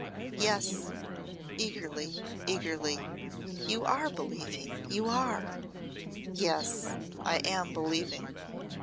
Yes " eagerly, eagerly, "you are believing you are!" "Yes I am believing."